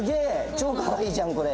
超かわいいじゃんこれ。